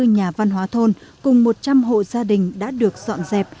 ba mươi bốn nhà văn hóa thôn cùng một trăm linh hộ gia đình đã được dọn dẹp